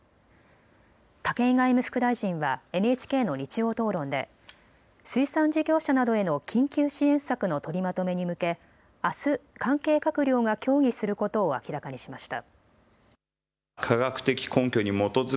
武井外務副大臣はＮＨＫの日曜討論で水産事業者などへの緊急支援策の取りまとめに向けあす関係閣僚が協議することを明らかにしました。